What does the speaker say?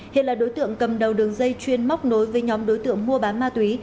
hiện là đối tượng cầm đầu đường dây chuyên móc nối với nhóm đối tượng mua bán ma túy